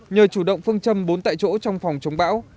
nhờ chủ động phương châm bốn tại chỗ trong phòng chống bão